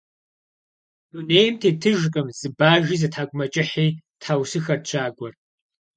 Дунейм тетыжкъым зы бажи, зы тхьэкӀумэкӀыхьи! – тхьэусыхэрт щакӀуэр.